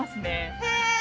へえ。